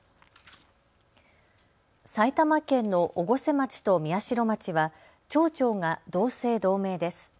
埼玉県の越生町と宮代町は町長が同姓同名です。